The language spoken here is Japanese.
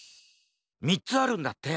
３つあるんだって！